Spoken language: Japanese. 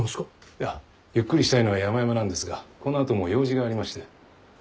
いやゆっくりしたいのはやまやまなんですがこの後も用事がありまして。